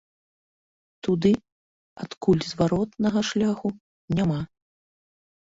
Туды, адкуль зваротнага шляху няма.